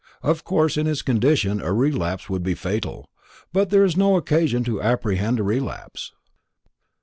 Of course in his condition a relapse would be fatal; but there is no occasion to apprehend a relapse."